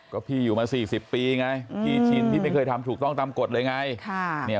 ก็พี่อยู่มา๔๐ปีไงพี่ชินพี่ไม่เคยทำถูกต้องตามกฎเลยไง